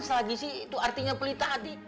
selagi sih itu artinya pelita hati